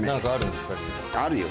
あるよ